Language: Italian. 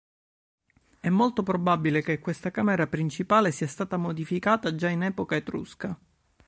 È molto probabile che questa camera principale sia stata modificata già in epoca etrusca.